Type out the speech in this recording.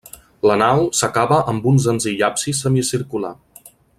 La nau s'acaba amb un senzill absis semicircular.